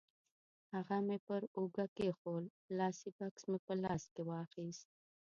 هغه مې پر اوږه کېښوول، لاسي بکس مې په لاس کې واخیست.